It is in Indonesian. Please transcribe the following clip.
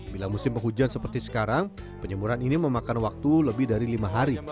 bila musim penghujan seperti sekarang penyemburan ini memakan waktu lebih dari lima hari